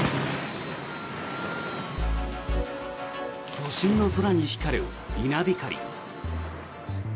都心の空に光る稲光。